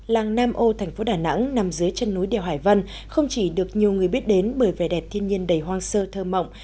làng nam ô thành phố đà nẵng nằm dưới chân núi đèo hải vân không chỉ được nhiều người biết đến bởi vẻ đẹp thiên nhiên đầy hoang sơ thơ mộng